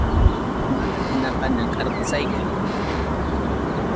Mana hinaqa, nakʼarqusaykim.